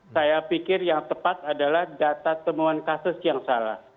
saya pikir yang tepat adalah data temuan kasus yang salah